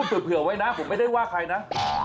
เผื่อไว้นะผมไม่ได้ว่าใครนะ